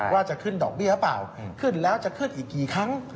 ว่าจะขึ้นดอกเบี้ยหรือเปล่าขึ้นแล้วจะขึ้นอีกกี่ครั้ง